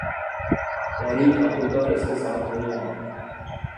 تاریخ آخرکار اس کے ساتھ نہیں ہے